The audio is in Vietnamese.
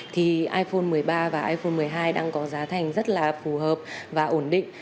thì iphone một mươi ba và iphone một mươi hai đang có giá thành rất là phù hợp và ổn định